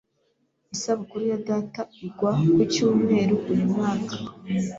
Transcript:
Isabukuru ya data igwa ku cyumweru uyu mwaka.